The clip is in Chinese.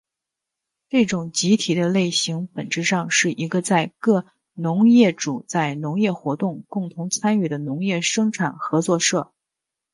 这种集体的类型本质上是一个在各农业主在农业活动共同参与的农业生产合作社。